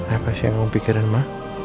apa sih yang kamu pikirin ma